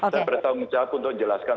dan bertanggung jawab untuk menjelaskan